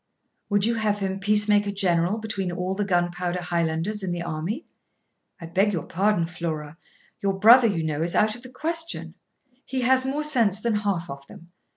'Would you have him peacemaker general between all the gunpowder Highlanders in the army? I beg your pardon, Flora, your brother, you know, is out of the question; he has more sense than half of them.